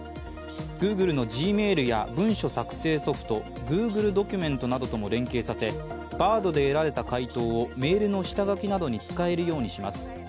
ＧｏｏｇｌｅのＧｍａｉｌや文書作成ソフト、Ｇｏｏｇｌｅドキュメントなどとも連携させＢａｒｄで得られた回答をメールの下書きなどに使えるようにします。